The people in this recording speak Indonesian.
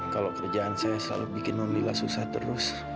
kalau kerjaan saya selalu bikin nondila susah terus